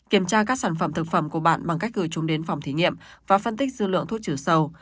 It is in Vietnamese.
kiểm tra các sản phẩm thực phẩm của bạn bằng cách gửi chúng đến phòng thí nghiệm và phân tích dư lượng thuốc trừ sâu